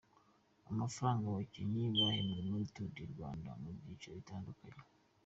Amafaranga abakinnyi bahembwa muri Tour du Rwanda mu byiciro bitandukanye.